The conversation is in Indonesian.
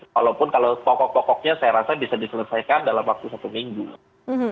walaupun kalau pokok pokoknya saya rasa bisa diselesaikan dalam waktu satu minggu